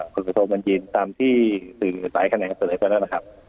คุณผู้โทษบัญชีตามที่หลายคะแนนเสริมไปแล้วนะครับ